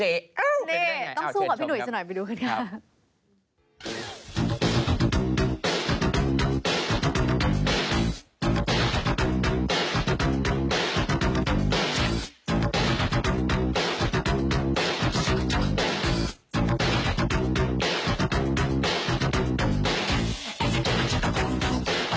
นี่ต้องสู้กับพี่หุยซะหน่อยไปดูกันค่ะ